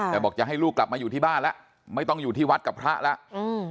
แต่บอกจะให้ลูกกลับมาอยู่ที่บ้านแล้วไม่ต้องอยู่ที่วัดกับพระแล้วอืม